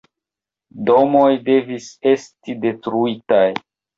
Domoj devis esti detruitaj.